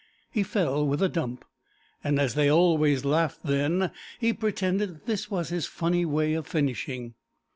He fell with a dump, and as they always laughed then, he pretended that this was his funny way of finishing.